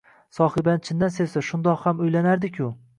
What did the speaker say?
Sohibani chindan sevsa, shundoq ham uylanardi-ku